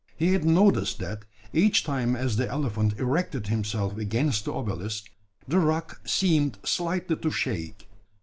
He had noticed that, each time as the elephant erected himself against the obelisk, the rock seemed slightly to shake.